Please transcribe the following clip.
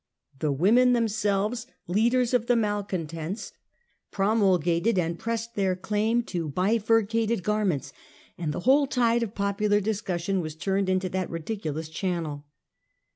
The women themselves, leaders of the malcontents, promulgated and pressed Bloomees. 141 their claim to bifurcated garments, and the whole tide of popular discussion was turned into that ridiculous channel.